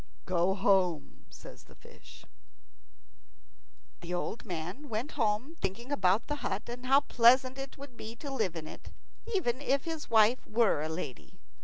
"Go home," says the fish. The old man went home, thinking about the hut, and how pleasant it would be to live in it, even if his wife were a lady.